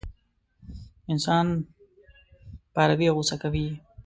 انسان پاروي او غوسه کوي یې.